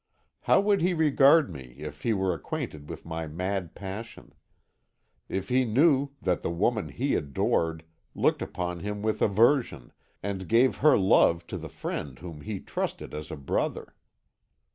"How would he regard me if he were acquainted with my mad passion if he knew that the woman he adored looked upon him with aversion, and gave her love to the friend whom he trusted as a brother?